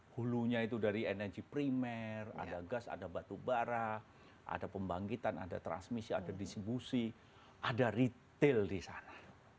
hulunya itu dari energi primer ada gas ada batu bara ada pembangkitan ada transmisi ada distribusi ada retail di sana